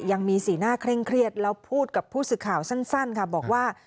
ยังมีสีหน้าเคร่งเครียดแล้วพูดกับผู้สื่อข่าวสั้นค่ะบอกว่า